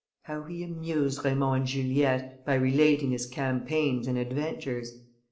How he amused Raymond and Juliette, by relating his campaigns and adventures! M.